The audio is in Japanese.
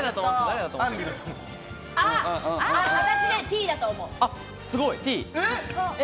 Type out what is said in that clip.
私ね、Ｔだと思う。